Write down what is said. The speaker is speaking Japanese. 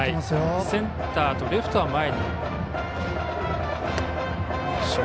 センターとレフトは前に。